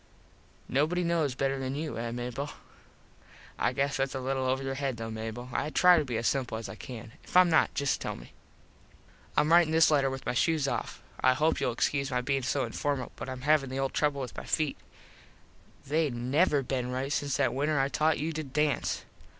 Nobody knows better than you, eh Mable? I guess thats a little over your head though, Mable. I try to be as simple as I can. If Im not just tell me. Im ritin this letter with my shoes off. I hope youll excuse my bein so informal but Im havin the old trouble with my feet. They never been right since that winter I taught you to dance.